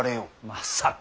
まさか。